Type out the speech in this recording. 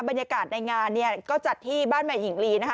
บรรยากาศในงานเนี่ยก็จัดที่บ้านแม่หญิงลีนะคะ